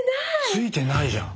ついてないじゃん。